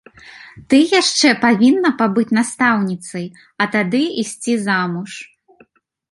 Ты яшчэ павінна пабыць настаўніцай, а тады ісці замуж.